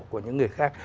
của những người khác